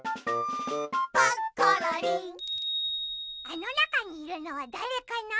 あのなかにいるのはだれかな？